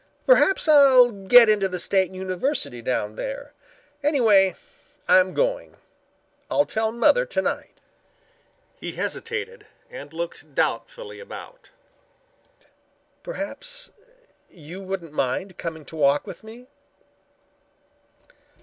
"Perhaps I'll get into the State University down there. Anyway, I'm going. I'll tell mother tonight." He hesitated and looked doubtfully about. "Perhaps you wouldn't mind coming to walk with me?"